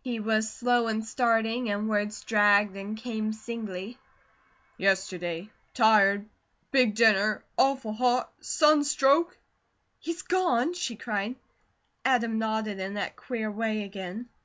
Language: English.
He was slow in starting and words dragged and came singly: "Yesterday tired big dinner awful hot sunstroke " "He's gone?" she cried. Adam nodded in that queer way again.